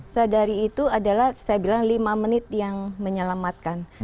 sadari itu adalah saya bilang lima menit yang menyelamatkan